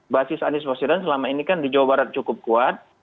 basis anies baswedan selama ini kan di jawa barat cukup kuat